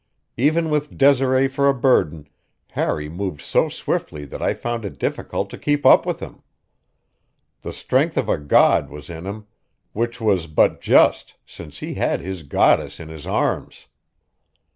Even with Desiree for a burden, Harry moved so swiftly that I found it difficult to keep up with him. The strength of a god was in him, which was but just, since he had his goddess in his arms.